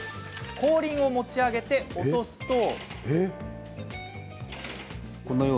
後輪を持ち上げて落とすと。